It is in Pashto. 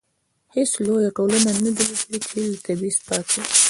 هیڅ لویه ټولنه نه ده لیدلې چې له تبعیض پاکه وي.